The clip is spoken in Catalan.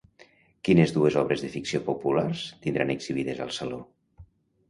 Quines dues obres de ficció populars tindran exhibicions al saló?